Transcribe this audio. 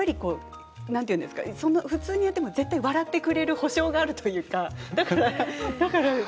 普通にやっても笑ってくれる保証があるというか。